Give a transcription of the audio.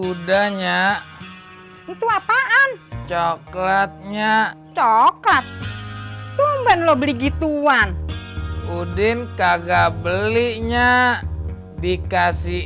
udah nya itu apaan coklatnya coklat tumbang lo beli gituan udin kagak belinya dikasih